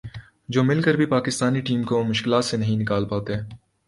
جو مل کر بھی پاکستانی ٹیم کو مشکلات سے نہیں نکال پاتے